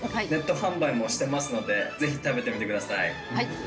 ネット販売もしてますのでぜひ食べてみてください。